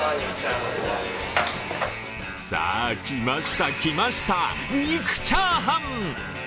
さぁ、来ました、来ました肉チャーハン！